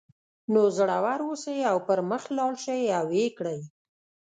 نو زړور اوسئ او پر مخ لاړ شئ او ویې کړئ